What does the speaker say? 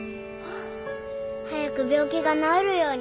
早く病気が治るように。